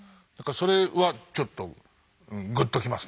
それはちょっとうんぐっときますね。